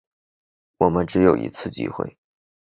我们只有一次机会